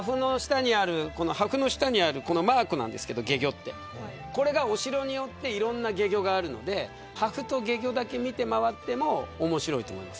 破風の下にあるこのマークなんですけど懸魚ってこれが、お城によっていろんな懸魚があるんで破風と懸魚だけ見て回っても面白いと思います。